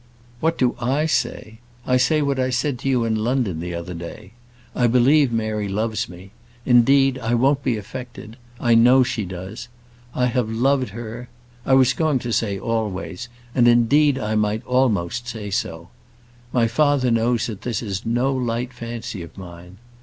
"What do I say? I say what I said to you in London the other day. I believe Mary loves me; indeed, I won't be affected I know she does. I have loved her I was going to say always; and, indeed, I almost might say so. My father knows that this is no light fancy of mine.